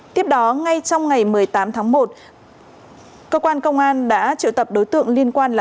tiếp đó ngay trong ngày một mươi tám tháng một cơ quan công an đã triệu tập đối tượng liên quan là